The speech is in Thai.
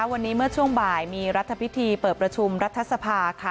วันนี้เมื่อช่วงบ่ายมีรัฐพิธีเปิดประชุมรัฐสภาค่ะ